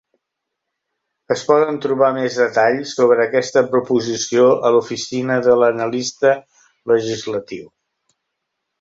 Es poden trobar més detalls sobre aquesta proposició a l'Oficina de l'Analista Legislatiu.